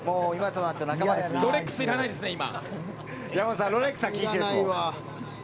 ロレックスいらないです、今。